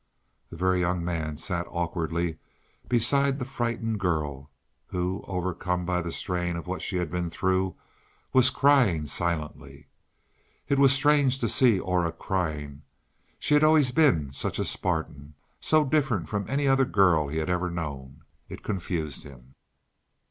The Very Young Man sat awkwardly beside the frightened girl, who, overcome by the strain of what she had been through, was crying silently. It was strange to see Aura crying; she had always been such a Spartan, so different from any other girl he had ever known. It confused him.